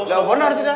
oh sudah benar tidak